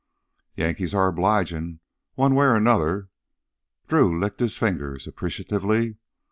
"Yankees are obligin', one way or another." Drew licked his fingers appreciatively.